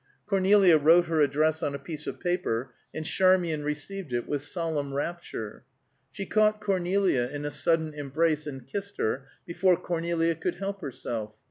Cornelia wrote her address on a piece of paper, and Charmian received it with solemn rapture. She caught Cornelia in a sudden embrace and kissed her, before Cornelia could help herself.